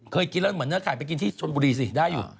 เคยกินแล้วเหมือนเนื้อไข่ไปกินที่ชนบุรีสิได้อยู่